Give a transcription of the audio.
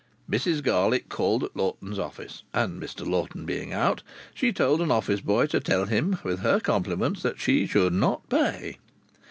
Mrs Garlick called at Lawton's office, and, Mr Lawton being out, she told an office boy to tell him with her compliments that she should not pay.